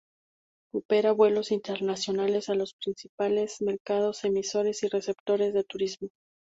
Opera vuelos internacionales a los principales mercados emisores y receptores de turismo.